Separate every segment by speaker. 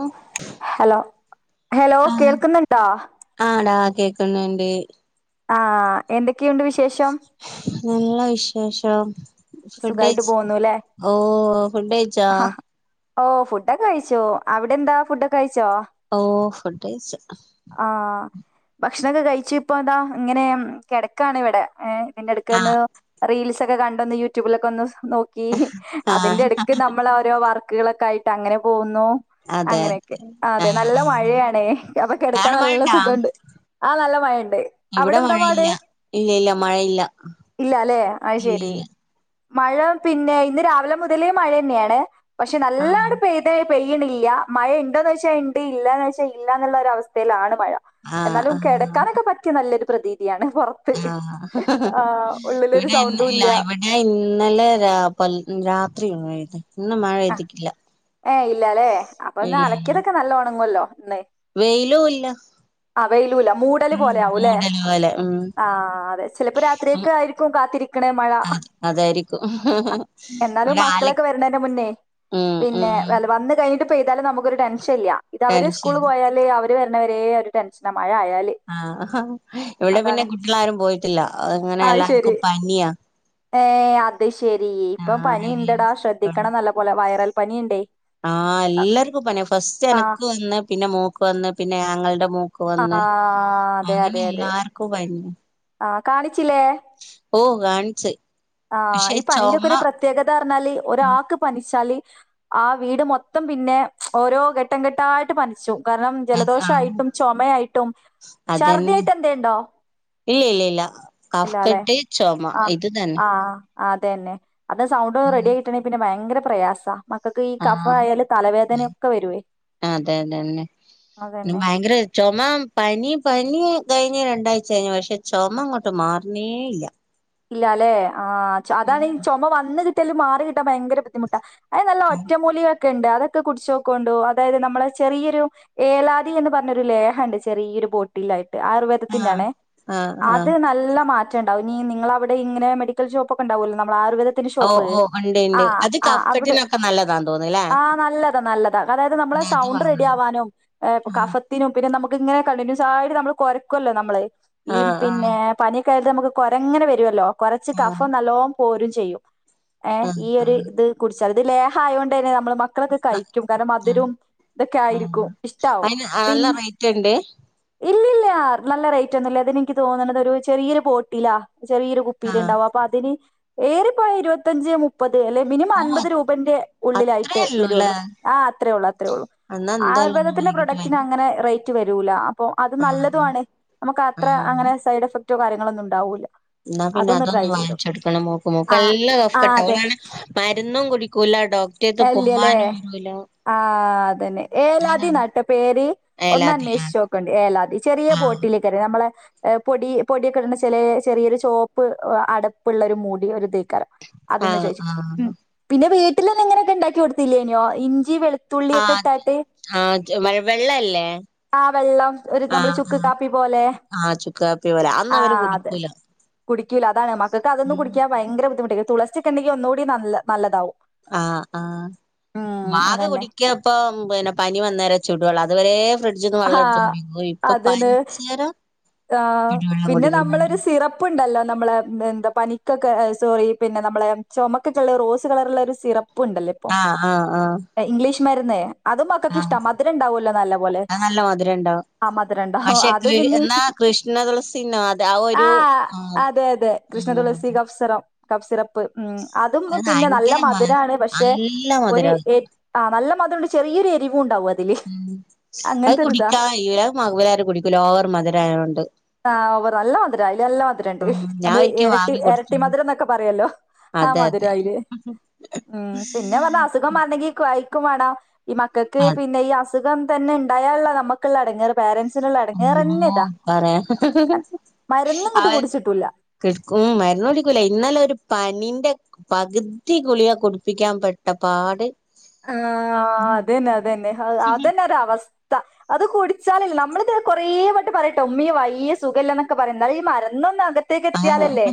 Speaker 1: ഓ
Speaker 2: hello hello
Speaker 1: ആഹ്
Speaker 2: കേൾക്ക്ന്ന്ണ്ടോ
Speaker 1: ആടാ കേക്ക്ന്ന്ണ്ട്
Speaker 2: ആഹ് എന്തൊക്കെയുണ്ട് വിശേഷം
Speaker 1: നല്ല വിശേഷം
Speaker 2: സുഖായിട്ട്
Speaker 1: ഫുഡ്ഡയിച്ച
Speaker 2: പോന്നുല്ലേ
Speaker 1: ഓ ഫുഡ്ഡയിച്ച
Speaker 2: ഓ ഫുഡൊക്കെ കഴിച്ചു അവിടെ എന്താ ഫുഡൊക്കെ കഴിച്ചോ
Speaker 1: ഓ ഫുഡ്ഡയിച്ചു
Speaker 2: ആഹ് ഭക്ഷണൊക്കെ കഴിച്ച് ഇപ്പ എന്താ ഇങ്ങനെ കെടക്കാണ് ഇവിടെ ഏ പിന്നെ എടക്കൊന്ന്
Speaker 1: ആഹ്
Speaker 2: റീൽസ് ഒക്കെ കണ്ട് ഒന്ന് യൂട്യൂബിലൊക്കെ ഒന്ന് നോ ക്കി അതിന്റെ
Speaker 1: ആഹ്
Speaker 2: എടക്ക് നമ്മൾ ഓരോ വർക്കുകളൊക്കെ ആയിട്ട് അങ്ങനെ പോകുന്നു
Speaker 1: അതെ
Speaker 2: അങ്ങനെയൊക്കെ അതെ
Speaker 1: ആഹ്
Speaker 2: നല്ല
Speaker 1: ആഹ്
Speaker 2: മഴയാണേ അപ്പൊ കിടക്കാൻ
Speaker 1: അവിടെ
Speaker 2: നല്ല
Speaker 1: മഴണ്ടാ
Speaker 2: സുഖണ്ട് ആഹ് നല്ല മഴണ്ട് അവിടെ
Speaker 1: ഇവിടെ
Speaker 2: എന്താ പാട്
Speaker 1: മഴയില്ല ഇല്ല ഇല്ല മഴയില്ല
Speaker 2: ഇല്ല അല്ലെ അയ് ശരി
Speaker 1: ഇല്ലല്ല
Speaker 2: മഴ പിന്നെ ഇന്ന് രാവിലെ മുതലേ മഴ തന്നെയാണ് പക്ഷെ
Speaker 1: ആഹ്
Speaker 2: നല്ലടെ പെയ് പെയ്യണില്ല മഴ ഇണ്ടോന്ന് ചോയ്ച്ചാൽ ഇണ്ട് ഇല്ലന്ന് വെച്ചാൽ ഇല്ലന്നുള്ള ഒരവസ്ഥയിലാണ് മഴ
Speaker 1: ആഹ്
Speaker 2: എന്നാലും
Speaker 1: ആഹ്
Speaker 2: കിടക്കാനൊക്കെ പറ്റിയ നല്ലൊരു പ്രതീതിയാണ് പൊറ
Speaker 1: ആഹ് ഇവിടില്ല ഇന്ന്
Speaker 2: സൗണ്ടും ഇല്ല
Speaker 1: ലൈവടി ഞാൻ ഇന്നലെ രാ പ രാത്രിപോയത് ഇന്ന് മഴ
Speaker 2: ആ
Speaker 1: പെയിതിട്ടില്ല
Speaker 2: ഏ ഇല്ല അല്ലേ അപ്പൊ ഇന്ന് അലക്കിയതൊക്കെ നല്ല ഉണങ്ങുമല്ലോ ഇന്ന്
Speaker 1: വെയിലുല്ല
Speaker 2: ആഹ് വെയിലൂല്ല മൂടല് പോലെ ആകും അല്ലേ
Speaker 1: മൂടല് പോലെ ഉം
Speaker 2: ആഹ് അതെ ചിലപ്പോ രാത്രിയൊക്കെ ആയിരിക്കും കാത്തിരി ക്കണേ മഴ
Speaker 1: അതായിരിക്കും
Speaker 2: എന്നാലും
Speaker 1: ഇവിടെ ആല
Speaker 2: മക്കളൊക്കെ വരണതിന്റെ മുന്നേ
Speaker 1: ഉം
Speaker 2: പിന്നെ
Speaker 1: ഉം
Speaker 2: വ വന്ന് കഴിഞ്ഞിട്ട് പെയ്താലും നമുക്കൊരു ടെൻഷൻ ഇല്ല ഇത് അവര്
Speaker 1: ടെൻഷൻ
Speaker 2: സ്കൂള് പോയാല് അവര് വരണവരേ ഒരു ടെൻഷന മഴ ആയാല്
Speaker 1: ആഹ് ഇവിടെ പിന്നെ
Speaker 2: അതാണ്
Speaker 1: കുട്ടികളാരും പോയിട്ടില്ല അങ്ങനെ
Speaker 2: അത് ശരി
Speaker 1: എല്ലാവർക്കും പനിയാ
Speaker 2: ഏ അത് ശെരി ഇപ്പം
Speaker 1: ആഹ്
Speaker 2: പനിയുണ്ട്ടാ ശ്രദ്ധിക്കണം നല്ല പോലെ വൈറൽ പനിണ്ടേ
Speaker 1: ആഹ് എല്ലാർക്കും പനിയ ഫസ്റ്റ്
Speaker 2: ആ
Speaker 1: എനക്ക് വന്ന് പിന്നെ മോക്ക് വന്ന് പിന്നെ ആങ്ങളുടെ മോ ക്ക്‌
Speaker 2: ആ
Speaker 1: വന്ന്
Speaker 2: അതെ
Speaker 1: അങ്ങനെ
Speaker 2: അതെ അതെ
Speaker 1: എല്ലാർക്കും കഴിഞ്ഞു
Speaker 2: ആ കാണിച്ചില്ലേ
Speaker 1: ഓ കാണിച്ച്
Speaker 2: ആഹ് ഈ പനിന്റെ ഒക്കെ
Speaker 1: ചൊമ
Speaker 2: ഒരു പ്രത്യേകത പറഞ്ഞാല് ഒരാക്ക് പനിച്ചാല് ആ വീട് മൊത്തം പിന്നെ ഓരോ ഘട്ടം ഘട്ടായിട്ട് പനിച്ചും കാരണം
Speaker 1: ആഹ്
Speaker 2: ജലദോഷയിട്ടും ചുമയായിട്ടും ഛർദ്ധി
Speaker 1: അതന്നെ
Speaker 2: ആയിട്ട് എന്തെ ഇണ്ടോ
Speaker 1: ഇല്ല ഇല്ല ഇല്ല കഫ്കെട്ട് ചൊമ ഇത് തന്നെ
Speaker 2: അതെന്നെ അത് സൗണ്ട് ഒന്ന് റെഡി ആയിക്കിട്ടണെങ്കിൽ പിന്നെ ഭയങ്കര പ്രയാസ മക്കൾക്ക് ഈ
Speaker 1: ആഹ്
Speaker 2: കഫായാല് തലവേദനയൊക്കെ വരുവേ
Speaker 1: അതെ അതെന്നെ
Speaker 2: അതന്നെ
Speaker 1: ന്നെഭയങ്കര ചൊമ പനി പനി കഴിഞ്ഞ് രണ്ടാഴ്ച കഴിഞ്ഞു പക്ഷെ ചൊമ അങ്ങോട്ട് മാറണേ ഇല്ല
Speaker 2: ഇല്ല അല്ലെ ആഹ് അതാണ് ഈ ചുമ വന്നു കിട്ടിയാലും മാറി കിട്ടാൻ ഭയങ്കര ബുദ്ധിമുട്ടാ അത് നല്ല ഒറ്റമൂലികൊക്കെയിണ്ട് അതൊക്കെ കുടിച്ച് നോക്കോണ്ടോ അതായത് നമ്മള് ചെറിയൊരു ഏലാദി എന്ന് പറഞ്ഞൊരു ലേഹുണ്ട് ചെറിയൊരു ബോട്ടിലിലായിട്ട് ആയുർവേ ദത്തിന്റെ
Speaker 1: ആഹ്
Speaker 2: ആണേ
Speaker 1: ആഹ് ആഹ്
Speaker 2: അത് നല്ല മാറ്റം ഉണ്ടാകും നീ നിങ്ങള ഇവിടെ ഇങ്ങനെ മെഡിക്കൽ ഷോപ്പൊക്കെ ഉണ്ടാവല്ലോ നമ്മളെ ആയുർവേ ദത്തിന്
Speaker 1: ഓ
Speaker 2: ഷോപ്പ്
Speaker 1: ഓ ഉണ്ട്
Speaker 2: ആ
Speaker 1: ഉണ്ട് അത്
Speaker 2: അവിടെ
Speaker 1: കഫ്കെട്ടിനൊക്കെ നല്ലതാന്ന് തോന്നുന്നുല്ലേ
Speaker 2: ആഹ് നല്ലതാ നല്ല താ അതായത് നമ്മളെ
Speaker 1: ന്നാ അത്
Speaker 2: സൗണ്ട് റെഡി
Speaker 1: വാങ്ങണം
Speaker 2: ആവാനും കഫ ത്തിനും പിന്നെ നമുക്ക് ഇങ്ങനെ കണ്ടിന്യൂസ് ആയിട്ട് നമ്മൾ കൊരയ്ക്കുമല്ലോ നമ്മള് ഈ
Speaker 1: ആഹ് ആഹ്
Speaker 2: പിന്നെ പനിയൊക്കെ ആയിട്ട് നമുക്ക് കൊരങ്ങനെ വരുവല്ലോ കൊരച്ച്
Speaker 1: ആഹ്
Speaker 2: കഫം നല്ലോം പോരും ചെയ്യും ഏ
Speaker 1: ആഹ് ആഹ്
Speaker 2: ഈയൊരു
Speaker 1: ആഹ്
Speaker 2: ഇത് കുടിച്ചാൽ ഇത് ലേഹ ആയതോണ്ട് തന്നെ നമ്മൾ മ മക്കളൊക്കെ കഴിക്കും കാരണം
Speaker 1: ആഹ്
Speaker 2: മധുരം ഇതൊക്കെ
Speaker 1: ആഹ്
Speaker 2: ആയിരിക്കും ഇഷ്ടാവും
Speaker 1: അയിന് നല്ല
Speaker 2: പിന്നെ
Speaker 1: റേറ്റ് ഉണ്ട്
Speaker 2: ഇല്ലില്ല നല്ല റേറ്റ് ഒന്നുമല്ല അതിനെനിക്ക് തോന്നണത് ഒരു ചെറിയൊരു ബോട്ടില ചെറിയൊരു കുപ്പില്
Speaker 1: ആഹ്
Speaker 2: ഉണ്ടാവ അപ്പൊ അതിന് ഏറിപ്പോയ ഇരുപത്തഞ്ച് മു പ്പത് അല്ലെ മിനിമം
Speaker 1: ഓ
Speaker 2: അൻപത് രൂപന്റെ
Speaker 1: അത്രേ
Speaker 2: ഉള്ളിലായിട്ട്
Speaker 1: ഉള്ളൂല്ലേ
Speaker 2: വരുള്ളൂ ആ അത്രേ ഉള്ളൂ അത്രേ ഉള്ളു
Speaker 1: എന്നാ എന്തായാലും ഒന്ന്
Speaker 2: ആയുർവേദത്തിന്റെ
Speaker 1: വൈകിട്ട് വാങ്ങി
Speaker 2: പ്രൊഡക്റ്റിനങ്ങനെ റേ റ്റു വരൂല അപ്പൊ അത്
Speaker 1: ആഹ്
Speaker 2: നല്ലതു ആണ് നമുക്ക് അത്ര
Speaker 1: ആഹ്
Speaker 2: അങ്ങനെ സൈഡ് എഫക്റ്റോ കാര്യങ്ങളോ ഒന്നും ഉണ്ടാവൂല്ല
Speaker 1: എന്നാ പിന്നെ
Speaker 2: ട്രൈ
Speaker 1: അതൊന്ന്
Speaker 2: ചെയ്തോ
Speaker 1: വായിച്ചെടുക്കണം മോക്ക് മോക്ക്
Speaker 2: ആ
Speaker 1: എല്ലാം കഫ
Speaker 2: ആ
Speaker 1: കെട്ട
Speaker 2: അതെ
Speaker 1: ഓളാനെ മരുന്നും കുടിക്കൂല ഡോക്ടറത്ത്
Speaker 2: ഇല്ല്യല്ലേ
Speaker 1: പോവാനും വരൂല
Speaker 2: ആഹ് അതന്നെ ഏലാദി
Speaker 1: ഞാനാണ്
Speaker 2: നാട്ട പേര് ഒന്ന്
Speaker 1: ഏലാതി
Speaker 2: അന്വേഷിച്ച് നോക്കണ്ട് ഏലാതി ചെറിയ
Speaker 1: ആഹ്
Speaker 2: ബോട്ടിലേക്കറി നമ്മളെ എ പൊടി പൊടിയൊക്കെ ഇടുന്ന ചില ചെറിയൊരു ചുവപ്പ് അടപ്പുള്ള ഒരു മൂടി ഒരു തീക്കാറ അതൊന്ന്
Speaker 1: ആഹ്
Speaker 2: ചോദിച്ച ഉ
Speaker 1: ആഹ്
Speaker 2: പിന്നെ വീട്ടിൽന്നും ഇങ്ങനെയൊക്കെ ഉണ്ടാക്കി കൊടുത്തില്ലേനോ ഇഞ്ചി വെളു
Speaker 1: ആത് മഴ വെള്ളല്ലേ
Speaker 2: ആഹ് വെള്ളം ഒരു നമ്മള്
Speaker 1: ആഹ്
Speaker 2: ചുക്ക്
Speaker 1: ആഹ്
Speaker 2: കാപ്പി പോലെ
Speaker 1: ആഹ് ചുക്കാപ്പി പോലെ
Speaker 2: ആ
Speaker 1: അതൊന്നും അവര്
Speaker 2: ത്
Speaker 1: കുടിക്കൂല
Speaker 2: കുടിക്കൂല അതാണ് മക്കൾക്ക് അതൊന്ന്
Speaker 1: ഉം
Speaker 2: കുടിക്കൻ ഭയങ്കര ബുദ്ധിമുട്ട തുള സിക്കെണ്ടെങ്കിൽ ഒന്നുകൂടി നല്ലതാവും
Speaker 1: ആഹ് ആഹ്
Speaker 2: ഉം
Speaker 1: മാക
Speaker 2: അതന്നെ
Speaker 1: കൊടി ക്ക ഇപ്പം പിന്നെ പനി വന്നേരെ ചുടുവള്ള അതുവരെ ഫ്രി ജിന്ന് വെള്ളം എടുത്ത്
Speaker 2: ആഹ്
Speaker 1: കുടിക്ക ഇപ്പൊ
Speaker 2: അതന്നെ
Speaker 1: പനിചര
Speaker 2: ആഹ് പിന്നെ നമ്മളൊരു സിറപ്പ് ഉപ്പുണ്ടല്ലോ നമ്മൾ എന്താ പനിക്കൊക്കെ സോറി പിന്നെ നമ്മളെ ചുമക്കൊക്കെ ഉള്ള റോസ് കളറുള്ള ഒരു സിറപ്പ് പുണ്ടല്ലെ
Speaker 1: ആഹ് ആഹ് ആഹ്
Speaker 2: ഇംഗ്ലീഷ് മരുന്നേ അതും മക്കൾക്ക് ഇഷ്ട
Speaker 1: ആഹ്
Speaker 2: മധുരംണ്ടാവുമല്ലോ നല്ല പോലെ
Speaker 1: അത് നല്ല മധുരം ഉണ്ടാവും
Speaker 2: ആഹ് മധുരണ്ടവും
Speaker 1: പക്ഷെ കൃ
Speaker 2: അതും പിന്നെ
Speaker 1: എന്നാ കൃഷ്ണ തുളസി ന ടാ വോ
Speaker 2: ആഹ് അതെ അതെ കൃഷ്ണതുളസി
Speaker 1: അതെ
Speaker 2: കഫ് സിറം കഫ്സിറപ്പ് ഉ അതും
Speaker 1: അത്
Speaker 2: പിന്നെ നല്ല
Speaker 1: ഭയങ്കര മ
Speaker 2: മധുരമാണ് പക്ഷെ
Speaker 1: നല്ല
Speaker 2: ഒരു
Speaker 1: മധുരാ
Speaker 2: ആഹ് നല്ല മധുരണ്ട് ചെറിയൊ എരിവും ഉണ്ടാവും അത്
Speaker 1: ഉ അത് കുടിക്കാ കയ്യു ല അത് ഇവരാരും കുടിക്കൂല ഓവർ മധുരായോണ്ട്
Speaker 2: ആ ഓവറ നല്ല മധുര അയില് നല്ല മധുര ഉണ്ട്
Speaker 1: ഉം ഞാൻ
Speaker 2: നമ്മള്
Speaker 1: ഒരിക്കെ
Speaker 2: ഇരട്ടി
Speaker 1: വാങ്ങി
Speaker 2: ഇരട്ടി
Speaker 1: കൊടുത്തീനു
Speaker 2: മധുരം എന്നൊക്കെ പറയല്ലോ ആഹ്
Speaker 1: അതെ
Speaker 2: മധുര
Speaker 1: അതെ
Speaker 2: അയില് ഉം പിന്നെ പറഞ്ഞ അസു ഖം മാറണെങ്കിൽ കഴക്കും വേണം ഈ മക്കക്ക്
Speaker 1: അത്
Speaker 2: പിന്നെ ഈ അസു അസുഖം തന്നെ ഉണ്ടായാല നമുക്കുള്ള എടങ്ങെറ് പാരൻസ്
Speaker 1: [unintelligible] പറയണ്ട
Speaker 2: മരുന്നുങ്ങട്ട് കുടിച്ചിട്ടൂല്ല
Speaker 1: കിടക്കും മരന്ന് കുടിക്കൂല ഇന്നാലെ ഒരു പനീന്റെ പകുതി ഗുളിക കുടിപ്പിക്കാൻ പെട്ട പാട്
Speaker 2: ആഹ് അതന്നെ അതന്നെ അതന്നെ ഒരഅവസ് ഥ അത് കുടിച്ചാലില്ല നമ്മൾത് കൊറേ വട്ട് പറയട്ടെ ഉമ്മി വയ്യ സുഖമില്ലന്നൊക്കെ പറയുന്നാൽ ഈ മരുന്നൊന്ന് അക അകത്തേക്ക്
Speaker 1: ആഹ്
Speaker 2: എത്തിയാലല്ലേ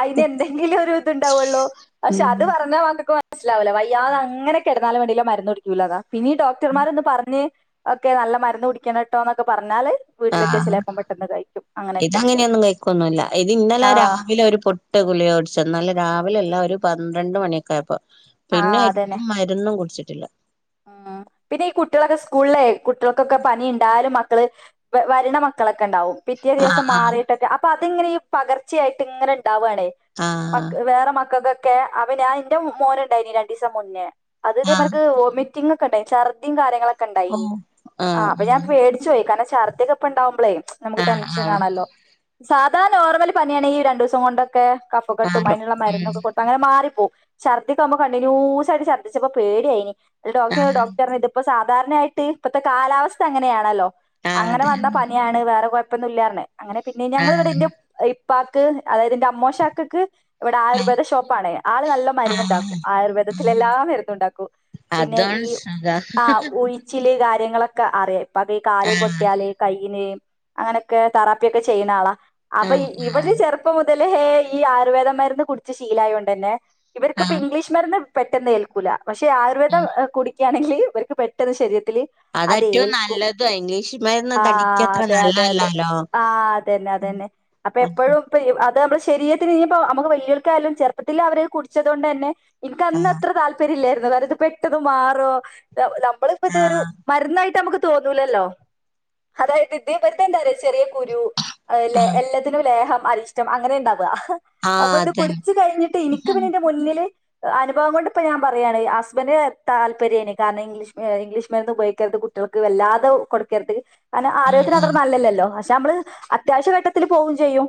Speaker 2: അയിന് എന്തെങ്കിലും ഒരിത് ഉണ്ടാവുള്ളു പക്ഷെ
Speaker 1: ഉം
Speaker 2: അത് പറഞ്ഞാ മക്കക്ക് മന മനസ്സിലാവില്ല വയ്യാതെ അങ്ങനെ കെടന്നാലും വേണ്ടില്ല മരുന്ന് കുടിക്കൂല അതാ പിന്നെ ഈ ഡോടർമാർ ഒന്ന് പറഞ്ഞ് ഒക്കെ നല്ല മരുന്ന് കുടിക്കണം ട്ടോന്നൊക്കെ പറഞ്ഞാല് വീട്ടിലെത്തിയ
Speaker 1: ആഹ്
Speaker 2: ചിലപ്പം പെട്ടെന്ന് കഴിക്കും അങ്ങനെയൊക്കെ
Speaker 1: ഇതങ്ങനെയൊന്നും കഴിക്കൊന്നുല്ല ഇത് ഇന്നലെ
Speaker 2: ആഹ്
Speaker 1: രാവിലെ ഒരു പൊ ഇട്ട് ഗുളിയ കുടിച്ച ഇന്നലെ രാവിലെല്ല ഒരു പന്ത്രണ്ട് മണിയക്കെ ആയപ്പോ പിന്നെ
Speaker 2: ആഹ് അതന്നെ
Speaker 1: മരു ന്നും കുടിച്ചിട്ടില്ല
Speaker 2: ഉം പിന്നെ ഈ കുട്ട്യാളൊക്കെ സ്കൂൾലേ കുട്ടികൾക്കൊക്കെ പനി ഇണ്ടായാലും മക്കള് വരണ മക്കളൊക്കെണ്ടാവും പിറ്റേ
Speaker 1: ആഹ്
Speaker 2: ദിവസം മാറിയിട്ടൊക്കെ അപ്പൊ അത്ങ്ങനെ ഈ പകർച്ചയായിട്ട് ഇങ്ങനെ ഇണ്ടാവാണേ
Speaker 1: ആഹ്
Speaker 2: മക് വേറെ മക്കക്കൊക്കെ അവ ഞാൻ ഇന്റെ മോന്ണ്ടായിനി രണ്ടീസം മുന്നേ അത്
Speaker 1: ആഹ്
Speaker 2: തേമാര്ക്ക്‌ വൊമി റ്റിങ്ങൊക്കെണ്ടായി. ഛർധിം കാര്യങ്ങളൊക്കെ
Speaker 1: ആഹ് ഓ
Speaker 2: ഇണ്ടായിനി. ആഹ് അപ്പ ഞാ പേട ച്ചോയി. കാരണം ചർദിക്കപ്പണ്ടാവ്മ്പളേ നമുക്ക്‌
Speaker 1: ആഹ് ആഹ്
Speaker 2: ടെൻഷനാണല്ലോ സാധാ നോർമല് പനിയാണെങ്കി രണ്ടൂസം കൊണ്ടൊക്ക കഫ കെട്ടും
Speaker 1: ആഹ്
Speaker 2: അയ്ന്ള്ള
Speaker 1: ഉം
Speaker 2: മര്ന്നൊക്കെ കൊ പ്പങ്ങനെ മാറിപ്പോവും. ഛർദ്ദിക്കാവ്മ്പൊ കണ്ടിനൂസായിട്ട് ഛർദ്ദിച്ചപ്പോ പേടിയായിന് ഡോക്
Speaker 1: ആഹ്
Speaker 2: ഡോക്ടർഞ്ഞ്‌ ഇതിപ്പോ സാധാരണയായിട്ട് ഇപ്പത്തെ കാലാവസ്ഥ അങ്ങനെയാണല്ലോ
Speaker 1: ആഹ്
Speaker 2: അങ്ങനെ
Speaker 1: അതെ
Speaker 2: വന്ന പനിയാണ്. വേറെ കൊഴ്പ്പൊന്നും ഇല്ലാർഞ്ഞ്‌. അങ്ങനെ പിന്നെ ഞങ്ങള് ഇവിടെ
Speaker 1: ആഹ്
Speaker 2: ഇന്റെ ഇപ്പാക്ക് അതായത് ന്റെ അമ്മോശാക്കക്ക്. ഇവിടെ
Speaker 1: ആഹ്
Speaker 2: ആയുർവേദ ഷോപ്പ് ആണേ. ആള് നല്ല മരുന്ന്ണ്ടാക്കും.
Speaker 1: ആഹ്
Speaker 2: ആയുർവേദത്തിലെല്ലാ മര്ന്നുണ്ടാക്കും. പിന്നെ ഈ
Speaker 1: അതാണ് സുഖ
Speaker 2: ആഹ് ഉഴി ച്ചില് കാര്യങ്ങളൊക്കെ അറി. ഇപ്പാക്ക് ഈ കാല്
Speaker 1: ആഹ്
Speaker 2: പൊട്ടിയാല് കൈയിന്. അങ്ങനെക്കെ തെറാപ്പിയൊക്കെ ചെയ്യ്ണ ആളാ അപ്പൊ
Speaker 1: ആഹ്
Speaker 2: ഇവര്
Speaker 1: ആഹ്
Speaker 2: ചെറു പ്പം മുതലേ ഈ ആയുർവേദം മര്ന്ന് കുടിച്ച് ശീലായോണ്ടെന്നെ ഇവര്ക്ക്‌ ഇപ്പ
Speaker 1: ആഹ്
Speaker 2: ഇംഗ്ലീഷ്. മര്ന്ന് പെട്ടെന്ന് ഏൽക്കൂല. പക്ഷെ ആയുർവേ പ്പ
Speaker 1: ഉം
Speaker 2: ആ കുടി ക്കാണെങ്കി ഇവര്ക്ക് പെട്ടെന്ന് ശരീരത്തില്.
Speaker 1: അതാ ഏറ്റവും
Speaker 2: അതേൽക്കും.
Speaker 1: നല്ലത് ഇംഗ്ലീഷ് മരുന്ന് തടിക്ക്
Speaker 2: ആഹ്
Speaker 1: അത്ര
Speaker 2: അതെ അതെ അതെ
Speaker 1: നല്ലതല്ലാലോ
Speaker 2: ആഹ് അതന്നെ അതന്നെ. അപ്പ
Speaker 1: ആഹ്
Speaker 2: എപ്പോഴും ഇപ്പ അത് മ്മടെ ശരീരത്തിന് ഇഞ്ഞ്‌പ്പൊ അമ്മക്ക് വല്ല്യോൽക്കായാലും ചെറുപ്പത്തില് അവര് കുടിച്ചത് കൊണ്ടന്നെ. ഇൻക്ക്
Speaker 1: ആഹ്
Speaker 2: അന്നത്ര താല്പര്യം ഇല്ലായിരുന്നു. കാര്ണം ഇത് പെട്ടെന്ന് മാറോ ന നമ്മളിപ്പ ഇത് ഒരു
Speaker 1: ആഹ്
Speaker 2: മര്ന്നായിട്ട് അമ്മക്ക് തോന്നൂലല്ലോ. അതായത് ഇതേ [unintelligible] എന്താറിയോ ചെറ്യേ കുരു. ല
Speaker 1: ആഹ്
Speaker 2: എല്ലത്തിനും ലേഹം, അരിഷ്ടം അങ്ങനെ ഇണ്ടാവ അപ്പൊ ഇത്
Speaker 1: അതന്നെ
Speaker 2: കുട്ച്ച് കഴിഞ്ഞിട്ട് ഇനിക്ക് പിന്നെ ന്റെ. മുന്നില് അനുഭവം കൊണ്ട്പ്പൊ ഞാൻ പറയാണ് ഹസ്ബന്റ് താല്പര്യേനി. കാര്ണം ഇംഗ്ലിഷ് ഇംഗ്ലീഷ് മര്ന്ന് ഉപയോഗിക്കരുത് കുട്ട്യാൾക്ക് വല്ലാതെ കൊട്ക്കര്ത്. കാര്ണം
Speaker 1: ആഹ്
Speaker 2: ആരോഗ്യത്തിന് അത്ര
Speaker 1: ആഹ്
Speaker 2: നല്ലല്ലല്ലോ. പക്ഷെ നമ്മള് അത്യാവശ്യ ഘട്ടത്തില് പോവും ചെയ്യും.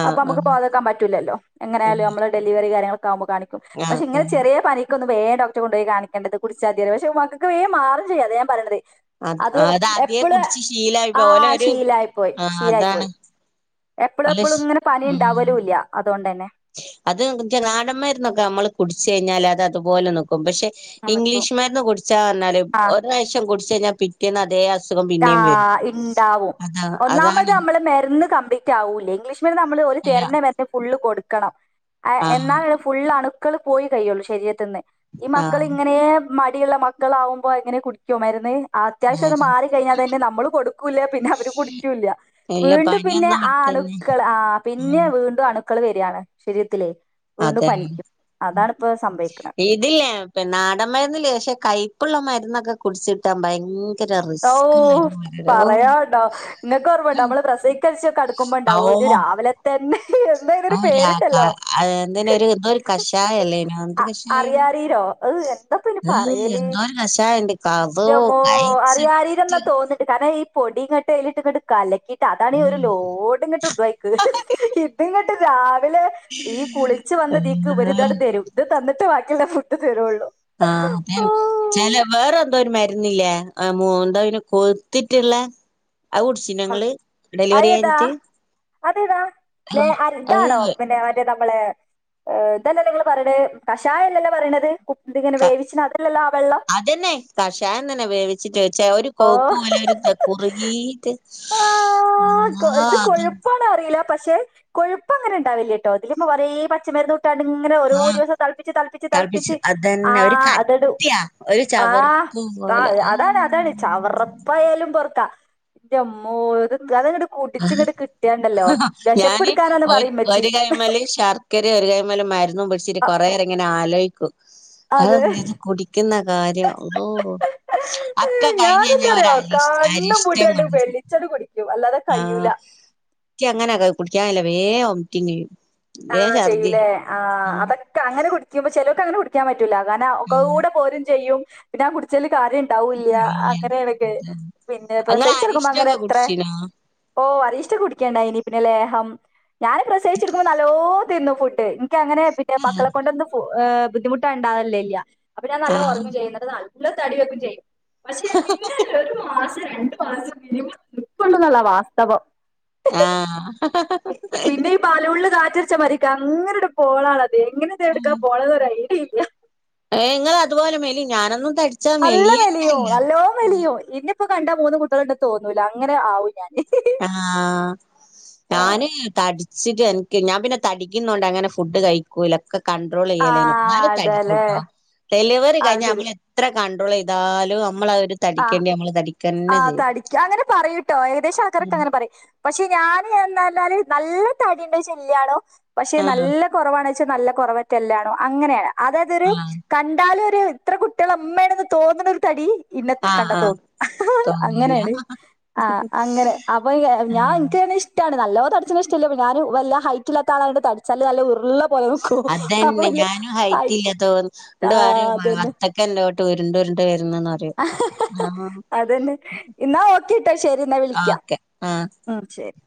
Speaker 1: ആഹ്
Speaker 2: അപ്പ മ്മക്ക്‌
Speaker 1: ആഹ്
Speaker 2: പോവാതക്കാൻ പറ്റൂലല്ലോ. എങ്ങനെയാലും
Speaker 1: പിന്നെ
Speaker 2: നമ്മളെ ഡെലിവറി കാര്യങ്ങളക്കെ ആവ്മ്പോ കാണി ക്കും
Speaker 1: ആഹ്
Speaker 2: പക്ഷെ ഇങ്ങനെ
Speaker 1: ആഹ്
Speaker 2: ചെറ്യേ പനിക്കൊന്നും വേം ഡോക്റ്റെ കൊണ്ടോയി കാണി ണ്ടത് കുടിച്ചാതി അറി. പക്ഷേ മക്കക്ക് വേം മാറും ചെയ്യും അതെ ഞാൻ പറിണത്. അത് എ
Speaker 1: ആദ്യേ
Speaker 2: എപ്പള്
Speaker 1: കുടിച്ച് ശീലായി ഓലെ
Speaker 2: ആഹ്
Speaker 1: ഒരു
Speaker 2: ശീലായി പോയി
Speaker 1: ആഹ്
Speaker 2: ശീലായി
Speaker 1: അതാണ്
Speaker 2: പോയി. എപ്പളും
Speaker 1: ഓലെ
Speaker 2: എപ്പളും
Speaker 1: ശീ
Speaker 2: ഇങ്ങനെ പനി
Speaker 1: ഉം
Speaker 2: ഇണ്ടാവലും ഇല്ല അതോണ്ടെന്നെ.
Speaker 1: അത് നാടന്മാര്ന്നൊക്കെ നമ്മള് കുടിച്ച് കഴിഞ്ഞാല് അത് അതുപോലെ നിക്കും പക്ഷെ
Speaker 2: അങ്ങനെ നിക്കും
Speaker 1: ഇംഗ്ലീഷ് മര്ന്ന് കുടിച്ചാർഞ്ഞാല്
Speaker 2: ആഹ്
Speaker 1: ഒരു റാവശ്യം കുട്ച്ചഴിഞ്ഞാ പിറ്റേന്ന് അതേ അസു
Speaker 2: ത്താ ഇണ്ടാവും. ഒന്നാമത്
Speaker 1: അതാണ്
Speaker 2: നമ്മള് മര്ന്ന് കമ്പ്ലീറ്റ് ആവൂല്ല. ഇംഗ്ലീഷ് മര്ന്ന് നമ്മള് ഓല്
Speaker 1: അല്ല
Speaker 2: തര്ണ മ ന്ന് ഫുള്ള് കൊട്ക്കണം.
Speaker 1: ആഹ്
Speaker 2: എന്നാലുള്ളൂ ഫുള്ള് അണുക്കള് പോയി കയ്യുള്ളു ശരീരത്തിന്ന്. ഈ മക്കള്
Speaker 1: ആഹ്
Speaker 2: ഇങ്ങനേ മടിയുള്ള മക്കളാവ്മ്പൊ എങ്ങനെ കുടിക്കോ മര്ന്ന് അത്യാവശ്യം അത് മാറി. പിന്നെ അതന്നെ നമ്മള് കൊട്ക്കുല്ല. പിന്നെ അവര് കുടിക്കൂല്ല.
Speaker 1: ഇല്ല
Speaker 2: വീണ്ടും പിന്നെ
Speaker 1: പനിയൊന്നും
Speaker 2: ആ
Speaker 1: വിട്ടന്നെ
Speaker 2: അണുക്കള് ആഹ്
Speaker 1: ആ
Speaker 2: പിന്നെ. വീണ്ടും അണുക്കള് വരാണ് ശരീരത്തിലേ വീണ്ടും
Speaker 1: അതന്നെ
Speaker 2: പനിക്കും. അതാണ്പ്പൊ സംഭവിക്ക്‌ണെ
Speaker 1: ഇതില്ലേ പ്പ നാടൻ മര്ന്നില്ലേ ശ്ശെ കൈപ്പ്ള്ള മര്ന്നൊക്കെ കുട്ച്ച് കിട്ടാൻ ഭയങ്ക
Speaker 2: ഓഹ് പറയാണ്ടോ ഇങ്ങക്കോർമ്മണ്ടോ നമ്മള് പ്രസവിച്ചേഷം കട് ക്കുമ്പോ
Speaker 1: ആ
Speaker 2: ഇണ്ടാവും ഒരു
Speaker 1: ഓ
Speaker 2: രാവിലെ തെന്നെ എന്താ
Speaker 1: ആ
Speaker 2: അയിനൊരു
Speaker 1: ഒരു ആ ക
Speaker 2: പേരിണ്ടല്ലോ
Speaker 1: എന്തിന ഒരു എന്തോ ഒരു കഷായല്ലേനോ എന്ത്
Speaker 2: ആഹ്
Speaker 1: കഷായേനു
Speaker 2: അറിയാറീരോ ഈഹ് എന്താപ്പ അയിന്
Speaker 1: ഏഹ്
Speaker 2: പറയല്
Speaker 1: എന്തോ ഒരു കഷായണ്ട് അതോ
Speaker 2: ഇൻ്റെമ്മോ അത് അരിയാരിരംന്ന്
Speaker 1: കഴിച്ചിട്ട്
Speaker 2: തോന്ന്ണ്ട് കാരണം ഈ പൊടി ഇങ്ങട്ട് അയിലിട്ട് ഇങ്ങട്ട് കലക്കി അതാണെ ഒരു
Speaker 1: ഉം
Speaker 2: ലോഡ് ഇങ്ങട്ട് ഇടു അയിക്ക് ഇത്ങ്ങട്ട് രാവിലെ ഈ കുളിച്ച് വന്നതീക്ക്
Speaker 1: ഏഹ്
Speaker 2: ഇവരിതങ്ങട്ട്തരും ഇത് തന്നിട്ട് ബാക്കിയുള്ള ഫുഡ് തരുള്ളൂ.
Speaker 1: ആഹ്
Speaker 2: ഓ
Speaker 1: അതെന്നെ ചെല വേറെ എന്തോ ഒര് മരുന്നില്ലേ ആഹ് മൂ എന്താ അയിന് കൊയിത്തിറ്റ്ള്ളെ അത് കുടിച്ച് പിന്നെ ഞങ്ങള് ഡെലിവറി കയിഞ്ഞിറ്റ്
Speaker 2: അതെതാ ലെ [unintelligible] ഇതാണോ
Speaker 1: അത്
Speaker 2: പിന്നെ മറ്റേ നമ്മളെ ഏഹ് ഇതല്ലല്ലോ ഇങ്ങള് പറയണെ കഷായം അല്ലല്ലോ പറയണത് കു ഇത് ഇങ്ങനെ വേവിച്ചി അതല്ലല്ലോ ആ വെള്ളം.
Speaker 1: തെന്നെ കക്ഷയം തന്നെ വേവി ച്ചിറ്റ് വെച്ചാ ഒരു
Speaker 2: ഓ
Speaker 1: കൊയുപ്പ് പോലെ ഒരുത് കുറുകീറ്റ് അമ്മാ അത്
Speaker 2: അറിയില്ലാ പക്ഷെ കൊഴുപ്പങ്ങനെ ഇണ്ടാവില്ലാട്ടോ ഇതില് കൊറെ പച്ചമരുന്ന് ട്ടാണ്ട് ഇങ്ങനെ ഒരോ
Speaker 1: ആ
Speaker 2: ദിവസം തെളപ്പിച്ച് തെളപ്പിച്ച്
Speaker 1: തിളപ്പിച്ച്
Speaker 2: തെളപ്പിച്ച്
Speaker 1: അതന്നെ ഒരു
Speaker 2: ആഹ് അത് ഇടും
Speaker 1: കട്ടിയാ ഒരു
Speaker 2: ആഹ്
Speaker 1: ചവർപ്പ്
Speaker 2: താ
Speaker 1: പോലെ
Speaker 2: അതാണ് അതാണ് ചവർ പ്പയാലും പൊർത്താ ഇൻ്റെമ്മോ [unintelligible] കുടിച്ചിങ്ങട് കിട്ടിയാണ്ടല്ലോ
Speaker 1: ഞാന്
Speaker 2: വെശപ്പെടുക്കാനാന്ന്
Speaker 1: ഒരു
Speaker 2: പറയുമ്മച്ചി
Speaker 1: ഒരു കൈമല് [unintelligible] ഒരു കൈമല് മരുന്നും പിടിച്ചിട്ട്
Speaker 2: അ
Speaker 1: കൊറെനേരം ഇങ്ങനെ ആലോയ്ക്കും
Speaker 2: അതെ
Speaker 1: [unintelligible] കുടിക്കുന്ന കാര്യം അള്ളോഹ് അത്
Speaker 2: ഞാന് എന്താറിയോ കണ്ണും പൂട്ടിയാണ്ട് വെലിച്ചട് കുടിക്കും അല്ലാതെ കയ്യൂല
Speaker 1: ആഹ് ഇക്ക്യങ്ങനെ കുടിക്കാൻ കയ്യൂലാ വേം വൊമിറ്റിങ് വെരും
Speaker 2: ആഹ് ചെയ്യൂലേ ആഹ് അതൊക് ക്കെ അങ്ങനെ കുടിക്കുമ്പോ ചേലോൽക്ക് അങ്ങനെ കുടിക്കാൻ പറ്റൂല്ലാ കാരണം ഒക്ക
Speaker 1: ഉം
Speaker 2: കൂടെ പോരും ചെയ്യും പിന്നെ ആ കുടിച്ചേല് കാര്യം ഇണ്ടാവൂല്ല്യാ
Speaker 1: ഇല്ല
Speaker 2: അങ്ങനെയണൊക്കെ പിന്നെ
Speaker 1: അതാണ് ഇങ്ങൾ
Speaker 2: പ്രസവിച്ചെടുക്കുമ്പോ അങ്ങനെ
Speaker 1: അരിഷ്ടൊക്കെ
Speaker 2: എത്രേ
Speaker 1: കുടിച്ചീനോ
Speaker 2: ഓഹ് അരിഷ്ടം കുടിക്കേണ്ടായിനി പിന്നെ ലേഹം ഞാന് പ്രസവിച്ചെടുക്കുമ്പോ നല്ലോ തിന്നും ഫുഡ് ക്ക് അങ്ങനെ പിന്നെ
Speaker 1: ആഹ്
Speaker 2: മക്കളെ കൊണ്ടൊന്നും ഫു ഏഹ് ബുദ്ധിമുട്ട്ണ്ടാവണ്ടയില്ലാ അപ്പൊ ഞാൻ നല്ലോം
Speaker 1: ആഹ്
Speaker 2: ഒറങ്ങും ചെയ്യും നല്ലോ തടി വെക്കും ചെയ്യും പക്ഷെ പിന്നെ ഒരു മാസം രണ്ട് മാസം മിനിമം നിക്കോള്ളുന്ന്ള്ളതാ വാസ്തവം
Speaker 1: ആഹ്
Speaker 2: പിന്നെ ഈ ബലൂണിൽ കാറ്റടിച്ച മാതിരിക്ക് അങ്ങനെട് പോളാളത് എങ്ങനെ ഇതെടുക്കാ പോണതൊരായ്ഡിയേ ഇല്ലാ
Speaker 1: ഏഹ് ഇങ്ങള് അതുപോലെ മെലി ഞാനൊന്നും തടി
Speaker 2: നല്ല മെലിയും നല്ലോ മെലിയും ഇന്നെപ്പോ കണ്ടാ മൂന്ന് കുട്ടികൾണ്ട്ന്ന് തോന്നൂലാ അങ്ങനെ ആവും ഞാന്
Speaker 1: ആഹ് ഞാന് തടി ച്ചിട്ട് എനിക്ക് ഞാൻ പിന്നെ തടിക്കുന്നോണ്ട് അങ്ങനെ ഫുഡ് കഴി ക്കൂലാ ഒക്കെ കണ്ട്രോള്
Speaker 2: ആ
Speaker 1: ചെയ്യലേനു ഇന്നാലും
Speaker 2: അതെല്ലേ
Speaker 1: തടിക്കൂട്ടോ ഡെലിവറി
Speaker 2: അത്
Speaker 1: കഴിഞ്ഞാ ഞാ
Speaker 2: ശരി
Speaker 1: പിന്നെ എത്ര കണ്ട്രോള് ചെയ്താലും നമ്മള് അ ഒര്
Speaker 2: ആഹ് ആഹ് തടിക്കാ അങ്ങനെ പറയൂട്ടോ ഏകദേശം ആൾക്കാരൊക്കെ
Speaker 1: ഉം
Speaker 2: അങ്ങനെ പറയും പക്ഷെ ഞാന് എന്നാര്ന്നാല് നല്ല തടീണ്ട് പക്ഷെ ഇല്ലാണു പക്ഷെ
Speaker 1: ആഹ്
Speaker 2: നല്ല കൊറവാണോയ്ച്ചാ നല്ല കൊറവറ്റല്ലാണും അങ്ങനെയാണ് അതായതൊരു
Speaker 1: ആഹ്
Speaker 2: കണ്ടാലൊരു ഇത്ര കുട്ടികളെ ഇമ്മയാണ്ന്ന് തോന്നണൊരു തടി ഇന്നെ കണ്ടാ
Speaker 1: ആഹ് ആഹ്
Speaker 2: തോന്നുല്ലാ
Speaker 1: തോന്നൂല
Speaker 2: അങ്ങനെയാണ് ആഹ് അങ്ങനെ അപ്പൊ കെ ഞാൻ
Speaker 1: ആഹ്
Speaker 2: ഇൻക്കങ്ങനെ ഇഷ് ട്ടാണ് നല്ലോ തടിച്ചണെ ഇഷ്ട്ടല്ലാ ഇപ്പം ഞാന് വല്ല ഹൈറ്റ്ല്ലാത്ത ആളായോണ്ട് തടിച്ചാല് നല്ല ഉരുളം
Speaker 1: അതന്നെ ഞാനും ഹൈറ്റ്ല്ല തോന്ന
Speaker 2: ആ
Speaker 1: ന്നട്ട് പറി
Speaker 2: അതന്നെ
Speaker 1: വത്ത - ക്കൻറ്റൂട്ട് ഉരുണ്ടുരുണ്ട് വര്ന്ന്ന്ന് പറിം
Speaker 2: അതന്നെ ഇന്ന ഓക്കേ ട്ടോ ശരി ന്നാ വിളിക്കാ ആഹ് ശരി